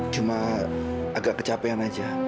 cuma agak kecapean aja